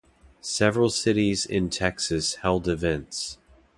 Several cities in Texas held events.